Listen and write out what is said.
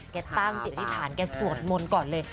ตั้งจิตอธิษฐานแกสวดมนต์ก่อนเลย